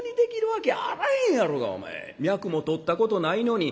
脈もとったことないのに」。